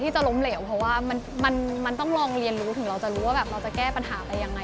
จริงจะบอกว่าชื่นชมมากเลยนะ